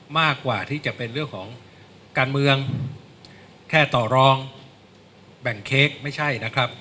มากกว่าที่จะเป็นเรื่องของการเมืองแค่ต่อรองแบ่งเค้กไม่ใช่นะครับ